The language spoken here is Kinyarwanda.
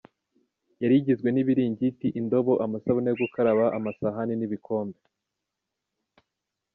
Yari igizwe n’ibiringiti, indobo, amasabune yo gukaraba, amasahani n’ibikombe.